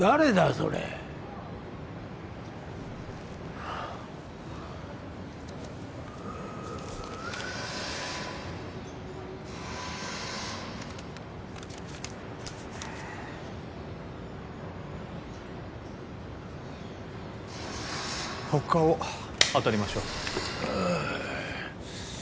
それ他を当たりましょうああ